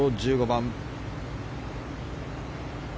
１５番。